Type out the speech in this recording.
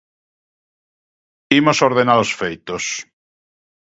Imos ordenar os feitos.